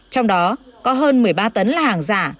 trong đó có hơn một mươi ba tấn là hàng giả